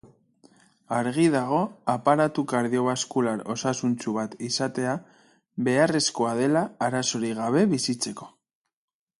Argi dago aparatu kardiobaskular osasuntsu bat izatea beharrezkoa dela arazorik gabe bizitzeko.